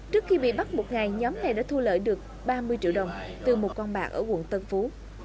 trước khi bị bắt một ngày nhóm này đã thu lợi được ba mươi triệu đồng từ một con bạc ở quận tân phú